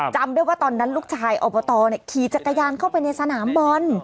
จำได้ว่าตอนนั้นลูกชายอบตขี่จักรยานเข้าไปในสนามบอล